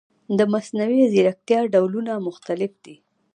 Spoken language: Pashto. د مصنوعي ځیرکتیا ډولونه مختلف دي.